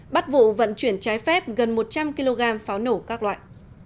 bắt vụ vận chuyển trái phép gần một trăm linh kg pháo nổ các loại